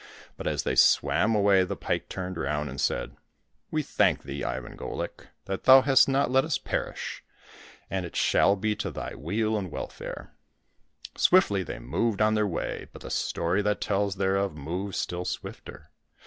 But as they swam away, the pike turned round and said, " We thank thee, Ivan GoUk, that thou hast not let us perish, and it shall be to thy weal and welfare !" Swiftly they moved on their way, but the story that tells thereof moves still swifter.